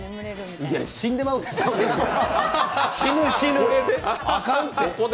いや、死んでまうで。